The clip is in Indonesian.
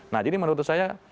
nah jadi menurut saya